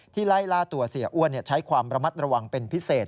ไล่ล่าตัวเสียอ้วนใช้ความระมัดระวังเป็นพิเศษ